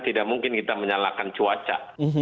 kan tidak mungkin kita menyalahkan cuaca